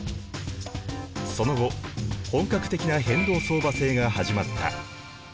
その後本格的な変動相場制が始まった。